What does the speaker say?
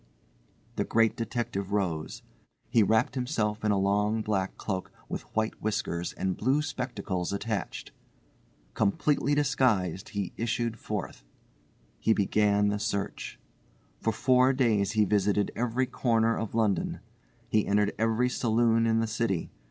The Great Detective rose. He wrapped himself in a long black cloak with white whiskers and blue spectacles attached. Completely disguised, he issued forth. He began the search. For four days he visited every corner of London. He entered every saloon in the city.